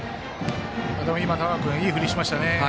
今、田川君いい振りしましたね。